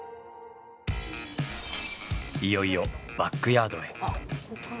いよいよバックヤードへ。